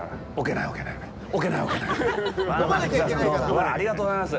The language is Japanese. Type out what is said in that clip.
うわぁ、ありがとうございます。